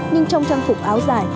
nhưng trong trang phục áo giải